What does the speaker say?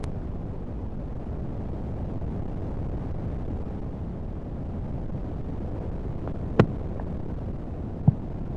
ولے ہراڑا ملنڈ مریک او مخوک آتیٹی ساڑی مفک “ ادب اٹ دافتا تخلیق انسانی